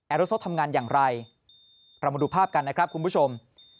โรโซทำงานอย่างไรเรามาดูภาพกันนะครับคุณผู้ชม